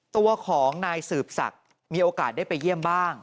ตัวของนายสืบศักดิ์มีโอกาสได้ไปเยี่ยมบ้าง